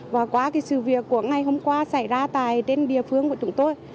và qua cái sự việc của ngày hôm qua xảy ra tại trên địa phương của chúng tôi